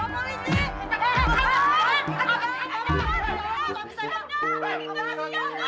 berani berani lo kodain milik gue